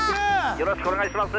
よろしくお願いします。